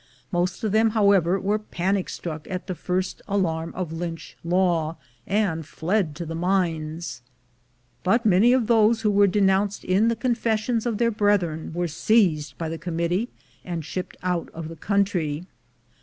Most of them, however, were panic struck at the first alarm of Lynch law, and fled to the mines; but many of those who were denounced in the confessions of their brethren were seized by the Committee, and shipped out of the country.